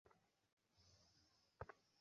আমি কোনো সাহায্য করতে পারি?